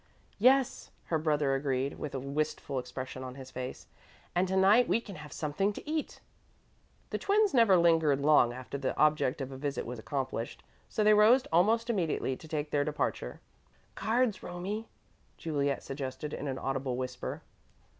"Yes," her brother agreed, with a wistful expression on his face, "and to night we can have something to eat." The twins never lingered long after the object of a visit was accomplished, so they rose almost immediately to take their departure. "Cards, Romie," Juliet suggested, in an audible whisper.